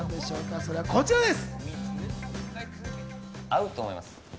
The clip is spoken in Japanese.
それはこちらです。